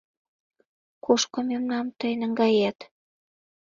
«Кушко мемнам тый наҥгает?